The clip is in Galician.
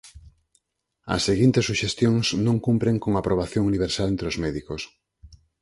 As seguintes suxestións non cumpren con aprobación universal entre os médicos.